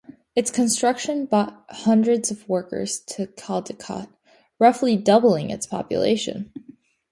Its construction brought hundreds of workers to Caldicot, roughly doubling its population.